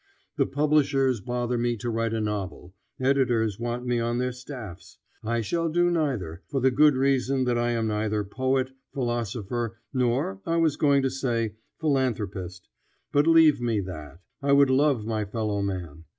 The publishers bother me to write a novel; editors want me on their staffs. I shall do neither, for the good reason that I am neither poet, philosopher, nor, I was going to say, philanthropist; but leave me that. I would love my fellow man.